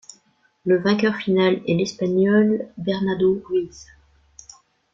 Le vainqueur final est l'Espagnol Bernardo Ruiz.